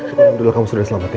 udah udah kamu sudah selamat ya